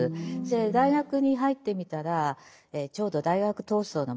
大学に入ってみたらちょうど大学闘争の真っ最中。